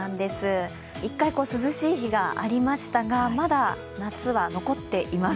一回涼しい日がありましたが、まだ夏は残っています。